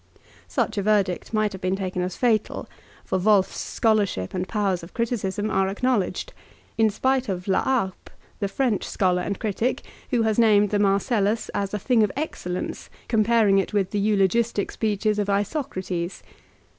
Such a verdict might have been taken as fatal, for Wolfs scholarship and powers of criticism are acknowledged, in spite of La Harpe, the French scholar and critic, who has named the Marcellns as a thing of excellence, comparing it with the eulogistic speeches of Isocrates.